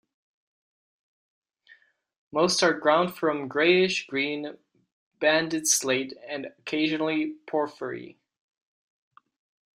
Most are ground from grayish green, banded slate, and occasionally porphyry.